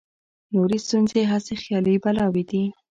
نورې ستونزې هسې خیالي بلاوې دي.